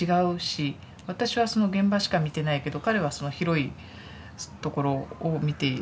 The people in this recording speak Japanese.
私はその現場しか見てないけど彼はその広いところを見ている。